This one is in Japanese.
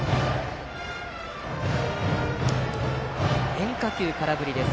変化球を空振りです。